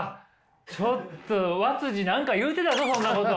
ちょっと和何か言うてたぞそんなこと。